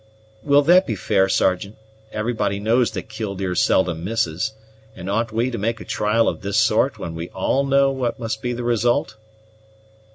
"Will that be fair, Sergeant? Everybody knows that Killdeer seldom misses; and ought we to make a trial of this sort when we all know what must be the result?"